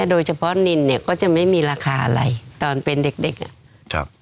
โดยเฉพาะนิลล์ก็จะไม่มีราคาอะไรตอนเป็นเด็ก